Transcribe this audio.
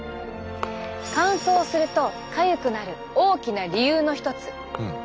乾燥するとかゆくなる大きな理由の一つ。